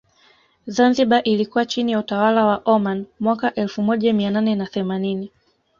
Zanzibar ilikuwa chini ya utawala wa Oman mwaka elfu moja mia nane na themanini